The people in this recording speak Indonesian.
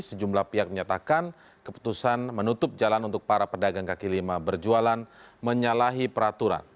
sejumlah pihak menyatakan keputusan menutup jalan untuk para pedagang kaki lima berjualan menyalahi peraturan